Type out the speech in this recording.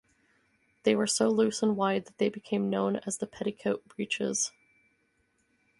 They were so loose and wide that they became known as petticoat breeches.